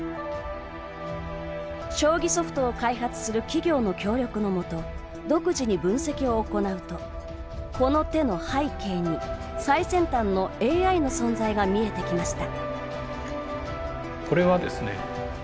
将棋ソフトを開発する企業の協力のもと、独自に分析を行うとこの手の背景に最先端のＡＩの存在が見えてきました。